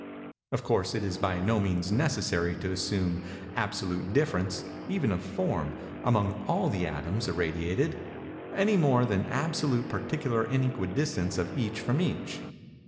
Of course, it is by no means necessary to assume absolute difference, even of form, among all the atoms irradiated—any more than absolute particular inequidistance of each from each.